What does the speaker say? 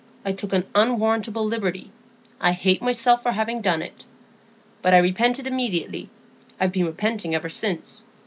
I took an unwarrantable liberty. I hate myself for having done it. But I repented immediately; I've been repenting ever since.